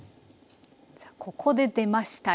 さあここで出ました